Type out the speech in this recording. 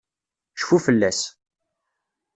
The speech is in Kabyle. Cfu fell-as!